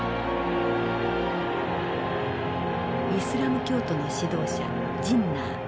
イスラム教徒の指導者ジンナー。